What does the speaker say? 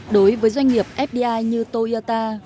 đối với doanh nghiệp fdi như toyota